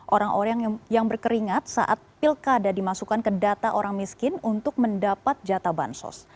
orang orang yang berkeringat saat pilkada dimasukkan ke data orang miskin untuk mendapat jatah bansos